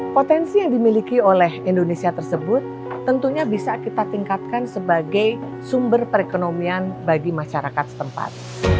potensi yang dimiliki oleh indonesia tersebut tentunya bisa kita tingkatkan sebagai sumber perekonomian bagi masyarakat setempat